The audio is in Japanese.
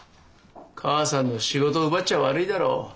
かあさんの仕事奪っちゃ悪いだろう。